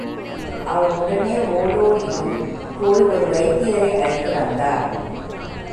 அவர் உடனே ஓடோடியும் போய் ஒரு வைத்தியரை அழைத்து வந்தார்.